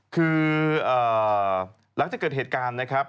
คือหลังจากเกิดเหตุการณ์นะครับ